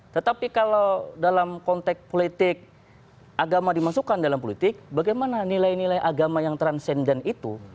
tetapi kalau dalam konteks politik agama dimasukkan dalam politik bagaimana nilai nilai agama yang transendent itu